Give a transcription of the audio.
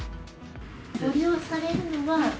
ご利用されるのは？